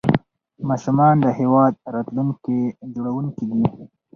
ماشومان د هیواد راتلونکي جوړونکي دي.